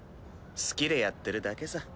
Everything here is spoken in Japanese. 好きでやってるだけさ。